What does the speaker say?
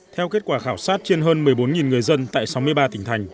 theo kết quả khảo sát trên hơn một mươi bốn người dân tại sáu mươi ba tỉnh thành